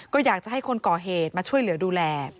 ก็อยากจะให้คนก่อเหตุมาช่วยเหลือดูแล